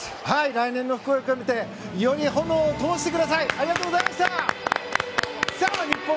来年の福岡に向けてより炎をともしてください！